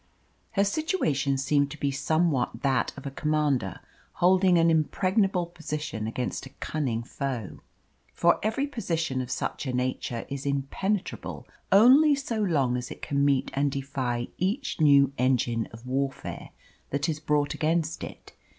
Her situation seemed to be somewhat that of a commander holding an impregnable position against a cunning foe. For every position of such a nature is impenetrable only so long as it can meet and defy each new engine of warfare that is brought against it.